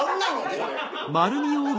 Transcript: これ。